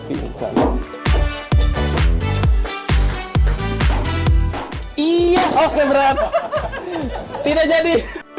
iya oke berapa tidak jadi